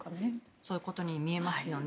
そういうことに見えますよね。